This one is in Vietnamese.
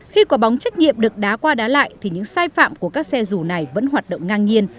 khi quả bóng trách nhiệm được đá qua đá lại thì những sai phạm của các xe rủ này vẫn hoạt động ngang nhiên